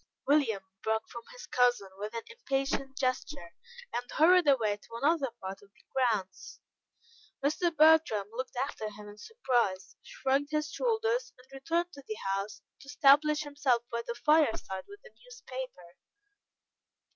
William broke from his cousin with an impatient gesture, and hurried away to another part of the grounds. Mr. Bertram looked after him in surprise, shrugged his shoulders, and returned to the house, to establish himself by the fireside with a newspaper.